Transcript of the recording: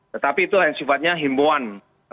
tetapi itu hanya sifatnya himbuan